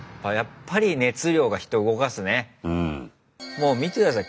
もう見て下さい。